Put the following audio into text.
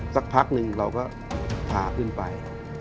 สักพักหนึ่งเราก็พาขึ้นไป